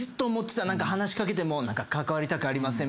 話し掛けても関わりたくありませんみたいな感じ